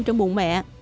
không buồn mẹ